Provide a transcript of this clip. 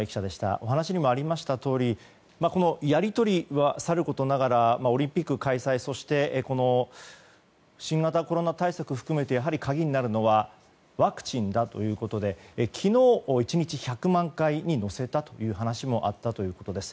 お話にもありましたとおりこのやり取りはさることながらオリンピック開催とこの新型コロナ対策含めて鍵になるのはワクチンだということで昨日、１日１００万回に乗せたという話もあったということです。